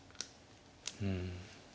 うん。